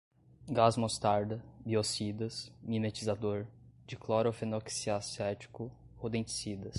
gás mostarda, biocidas, mimetizador, diclorofenoxiacético, rodenticidas